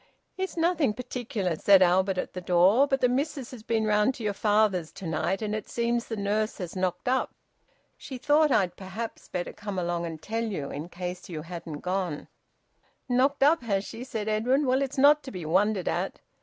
"It's nothing particular," said Albert at the door. "But the missus has been round to your father's to night, and it seems the nurse has knocked up. She thought I'd perhaps better come along and tell you, in case you hadn't gone." "Knocked up, has she?" said Edwin. "Well, it's not to be wondered at.